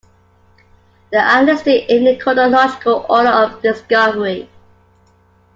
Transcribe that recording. They are listed in chronological order of discovery.